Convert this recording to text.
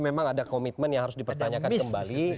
memang ada komitmen yang harus dipertanyakan kembali